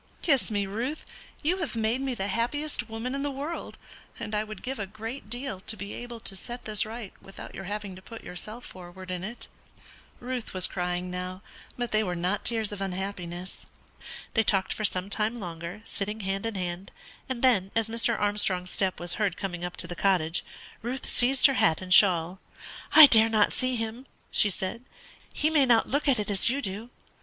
Kiss me, Ruth; you have made me the happiest woman in the world, and I would give a great deal to be able to set this right without your having to put yourself forward in it." Ruth was crying now, but they were not tears of unhappiness. They talked for some time longer, sitting hand in hand; and then, as Mr. Armstrong's step was heard coming up to the cottage, Ruth seized her hat and shawl. "I dare not see him," she said; "he may not look at it as you do."